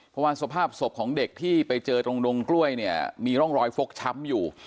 เพราะว่าสภาพศพของเด็กที่ไปเจอตรงดงกล้วยเนี่ยมีร่องรอยฟกช้ำอยู่